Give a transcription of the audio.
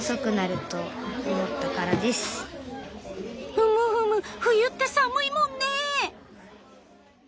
ふむふむ冬って寒いもんね。